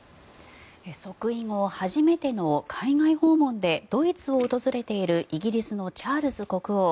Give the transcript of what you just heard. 即位後初めての海外訪問でドイツを訪れているイギリスのチャールズ国王。